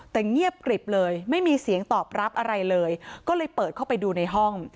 แต่เงียบกริบเลยไม่มีเสียงตอบรับอะไรเลยก็เลยเปิดเข้าไปดูในห้อง